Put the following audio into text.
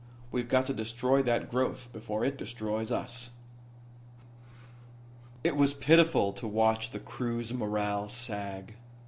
We've got to destroy that growth before it destroys us." It was pitiful to watch the crew's morale sag.